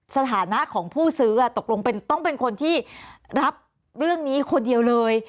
สถานะของผู้ซื้อตกลงต้องเป็นคนที่รับเรื่องนี้คนเดียวเลย